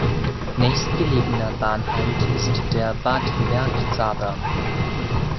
Nächstgelegener Bahnhalt ist der Bad Bergzabern.